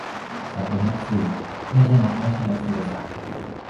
ฉันเป็นนักสืบ ไม่ใช่นักไม่ใช่นักเศรษฐศาสตร์